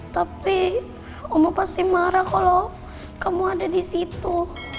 tapi oma pasti marah kalo kamu ada disitu